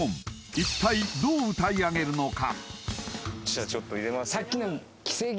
一体どう歌い上げるのか？